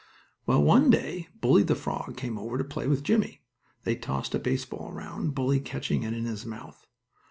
Well, one day, Bully, the frog, came over to play with Jimmie. They tossed a baseball around, Bully catching it in his mouth.